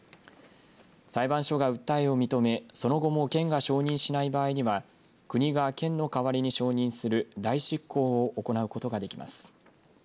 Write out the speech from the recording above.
裁判所が訴えを認めその後も県が承認しない場合には国が県の代わりに承認する代執行を行うことができます。